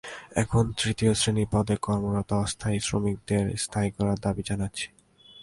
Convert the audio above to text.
এখন তৃতীয় শ্রেণী পদে কর্মরত অস্থায়ী শ্রমিকদের স্থায়ী করার দাবি জানাচ্ছি।